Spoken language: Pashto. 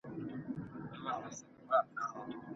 اسلامي شريعت عفو او سوله مشروع کړي دي.